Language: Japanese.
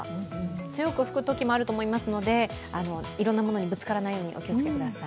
強く吹くときもあると思いますので、いろんなものにぶつからないようにお気をつけください。